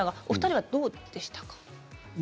お二人はどうでしたか？